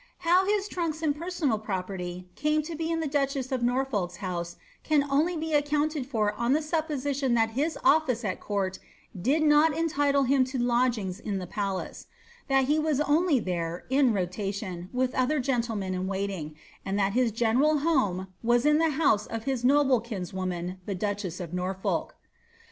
How his trunks tod personal property came to be in the duchess of Norfolk's house cu only be accounted for on the supposition that his office at court did not entitle him to lodgings in the palace ; that he was only there, in roti tion, with other gentlemen in waiting, and that his general home was in the house of his noble kinswoman, the dnchess of Norfolk.